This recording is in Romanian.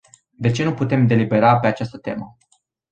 De ce nu putem delibera pe această temă?